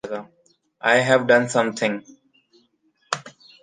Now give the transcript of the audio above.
I have done something...